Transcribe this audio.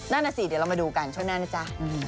นั่นน่ะสิเดี๋ยวเรามาดูกันช่วงหน้านะจ๊ะ